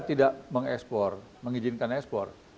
tidak mengizinkan ekspor